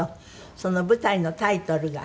その舞台のタイトルが。